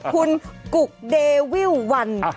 คุณกุกเดวิลวัน